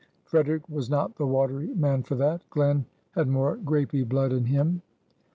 Frederic was not the watery man for that, Glen had more grapey blood in him.